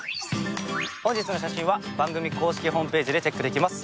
本日の写真は番組公式ホームページでチェックできます。